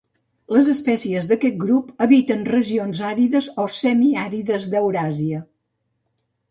Les espècies d'aquest grup habiten regions àrides o semiàrides d'Euràsia.